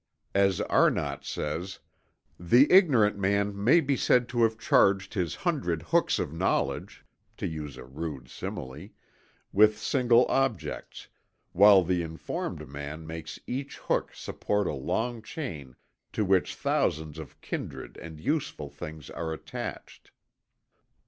As Arnott says: "The ignorant man may be said to have charged his hundred hooks of knowledge (to use a rude simile), with single objects, while the informed man makes each hook support a long chain to which thousands of kindred and useful things are attached."